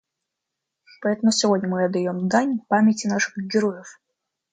Поэтому сегодня мы отдаем дань памяти наших героев.